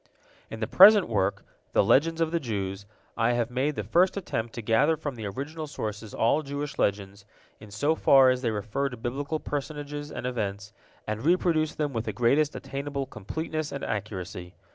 In the present work, "The Legends of the Jews," I have made the first attempt to gather from the original sources all Jewish legends, in so far as they refer to Biblical personages and events, and reproduce them with the greatest attainable completeness and accuracy.